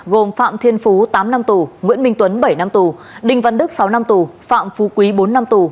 gồm phạm thiên phú tám năm tù nguyễn minh tuấn bảy năm tù đinh văn đức sáu năm tù phạm phú quý bốn năm tù